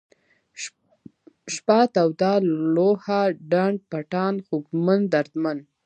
شپه ، توده ، لوحه ، ډنډ پټان ، خوږمن ، دردمن